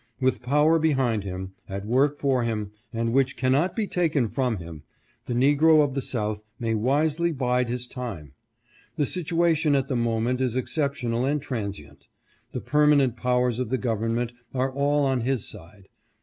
With power behind him, at work for him, and which cannot be taken from him, the negro of the South may wisely bide his time. The situation at the moment is exceptional and transient. The permanent powers of the government are all on his side.